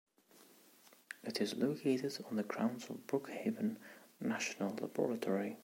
It is located on the grounds of Brookhaven National Laboratory.